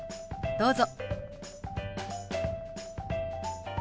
どうぞ。